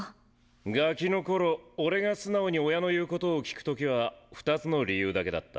ガキの頃俺が素直に親の言うことを聞く時は２つの理由だけだった。